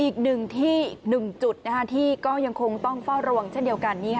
อีกหนึ่งที่๑จุดที่ก็ยังคงต้องเฝ้าระวังเช่นเดียวกัน